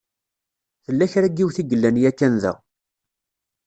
Tella kra n yiwet i yellan yakan da.